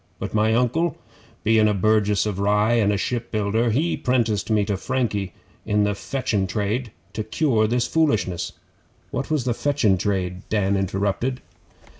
But my Uncle, bein' a burgess of Rye, and a shipbuilder, he 'prenticed me to Frankie in the fetchin' trade, to cure this foolishness.' 'What was the fetchin' trade?' Dan interrupted.